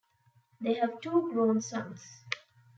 They have two grown sons.